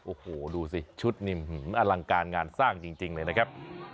โอ้โหดูสิชุดนี้อลังการงานสร้างจริงเลยนะครับ